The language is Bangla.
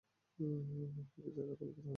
হ্যাঁ, হকি ছাড়া আর কোন খেলা হয় না সেখানে।